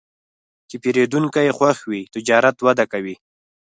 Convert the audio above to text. که پیرودونکی خوښ وي، تجارت وده کوي.